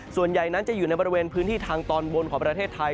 ส่วนใหญ่นั้นจะอยู่ในบริเวณพื้นที่ทางตอนบนของประเทศไทย